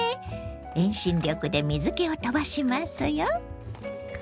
遠心力で水けを飛ばしますよ。